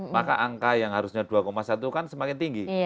maka angka yang harusnya dua satu kan semakin tinggi